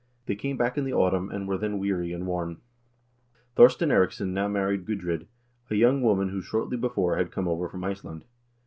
They came back in the autumn, and were then weary and worn." Thorstein Eiriksson now married Gudrid, a young woman who shortly before had come over from Iceland.